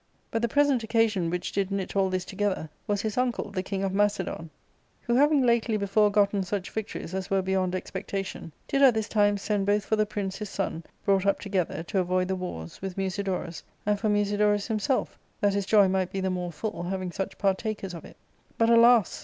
But the present occa K I30 ARCADIA.^Book IL sion which did knit all this together was hiis uncle the king of Macedon, who having lately before gotten such victories as were beyond expectation, did at this time send both for the prince his son, brought up together, to avoid the wars, with Musidorus, and for Musidorus himself, that his joy might be the more full, having such partakers of it. But, alas